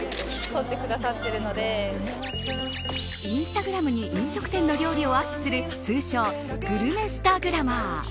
インスタグラムに飲食店の料理をアップする通称グルメスタグラマー。